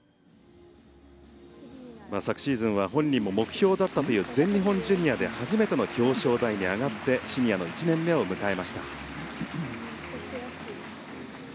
昨シーズンは本人も目標だったという全日本ジュニアで初めての表彰台に上がってシニアの１年目を迎えました。